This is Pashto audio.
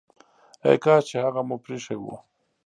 ای کاش چي هغه مو پريښی وو!